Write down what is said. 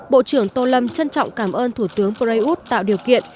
bộ trưởng tô lâm trân trọng cảm ơn thủ tướng prayuth tạo điều kiện